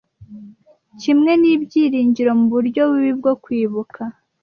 Kimwe n'ibyiringiro muburyo bubi bwo kwibuka,